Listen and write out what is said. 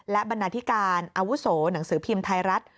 และบรรณาธิการอาวุโสหนังสือพิมพ์ไทยรัฐ